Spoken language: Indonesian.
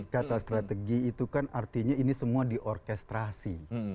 kata strategi itu kan artinya ini semua di orkestrasi